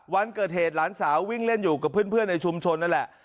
วันเกิดเหตุหลานสาววิ่งเล่นอยู่กับเพื่อนในชุมชนนั่นแหละ